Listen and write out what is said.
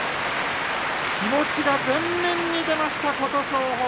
気持ちが前面に出ました琴勝峰。